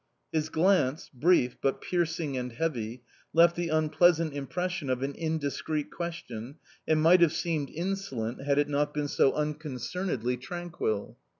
His glance brief, but piercing and heavy left the unpleasant impression of an indiscreet question and might have seemed insolent had it not been so unconcernedly tranquil.